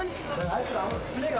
あいつら。